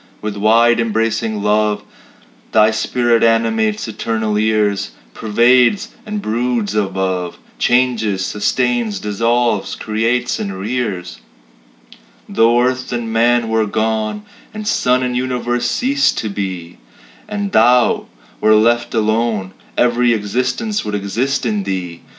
With wide embracing love Thy spirit animates eternal years Pervades and broods above, Changes, sustains, dissolves, creates, and rears. Though earth and man were gone, And suns and universes ceased to be, And Thou were left alone, Every existence would exist in Thee.